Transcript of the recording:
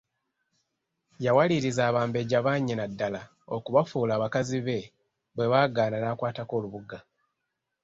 Yawaliriza Abambejja bannyina ddala okubafuula bakazi be, bwe baagaana nakwatako Lubuga.